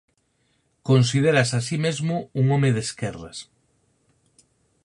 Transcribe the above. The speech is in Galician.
Considérase a si mesmo un home de esquerdas.